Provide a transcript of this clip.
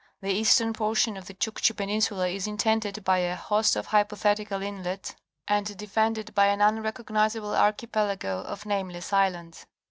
The eastern portion of the Chukchi Peninsula is indented by a host of hypothetical inlets, and defended by an unrecognizable archipelago of nameless islands.